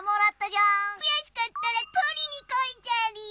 くやしかったらとりにこいじゃりー。